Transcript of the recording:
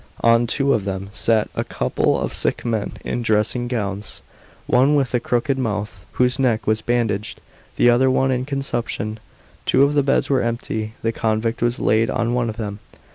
On two of them sat a couple of sick men in dressing gowns, one with a crooked mouth, whose neck was bandaged, the other one in consumption. Two of the beds were empty; the convict was laid on one of them.